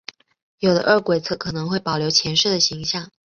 有的饿鬼则可能会保留前世的形象。